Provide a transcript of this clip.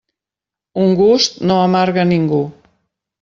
Un gust no amarga a ningú.